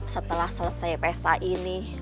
setelah selesai pesta ini